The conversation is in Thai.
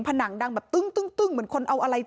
ผนังดังแบบตึ้งเหมือนคนเอาอะไร